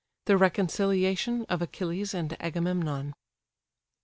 THE RECONCILIATION OF ACHILLES AND AGAMEMNON.